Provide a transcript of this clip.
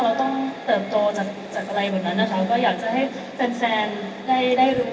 เราต้องเติบโตจากอะไรเหมือนนั้นนะคะก็อยากจะให้แฟนได้รู้บ้างแล้วก็ได้คิดบ้าง